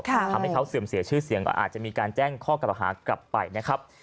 ทำให้เขาเสื่อมเสียชื่อเสียงก็อาจจะมีการแจ้งข้อกล่าวหากลับไปนะครับ